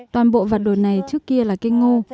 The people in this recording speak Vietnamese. toàn bộ vạt đồi này trước kia là cây ngô